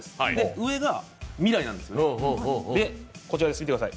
上が未来なんですよ。